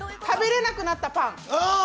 食べれなくなったパン。